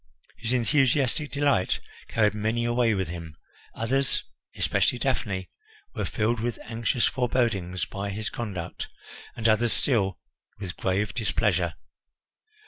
His enthusiastic delight carried many away with him; others, especially Daphne, were filled with anxious forebodings by his conduct, and others still with grave displeasure.